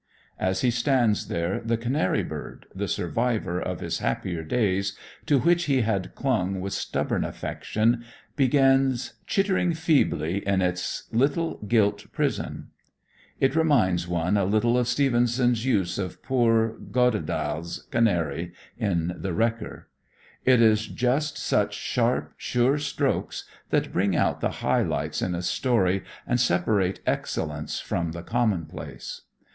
As he stands there the canary bird, the survivor of his happier days, to which he had clung with stubborn affection, begins "chittering feebly in its little gilt prison." It reminds one a little of Stevenson's use of poor "Goddedaal's" canary in "The Wrecker." It is just such sharp, sure strokes that bring out the high lights in a story and separate excellence from the commonplace.